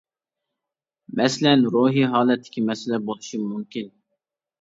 مەسىلەن روھى ھالەتتىكى مەسىلە بولۇشىمۇ مۇمكىن.